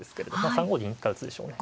３五銀から打つでしょうね。